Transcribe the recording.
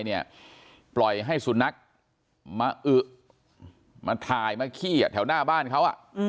ปล่อยให้สุนัขมาอึมาถ่ายมาขี้แถวหน้าบ้านเขา